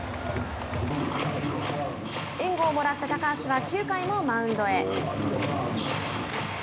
援護をもらった高橋は９回もマウンドへ。